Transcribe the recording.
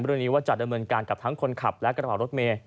บริเวณนี้ว่าจะดำเนินการกับทั้งคนขับและกระบาดรถเมล์